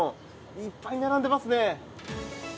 いっぱい並んでますね。